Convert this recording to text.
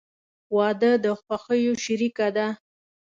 • واده د خوښیو شریکه ده.